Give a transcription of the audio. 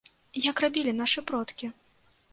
Як рабілі нашы продкі?